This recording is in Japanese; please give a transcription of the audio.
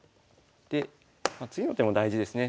で次の手も大事ですね。